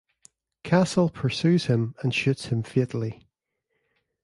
Castle pursues him and shoots him fatally.